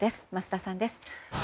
桝田さんです。